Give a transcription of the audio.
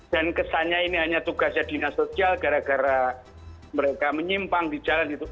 dan kesannya ini hanya tugasnya dinas sosial gara gara mereka menyimpang di jalan itu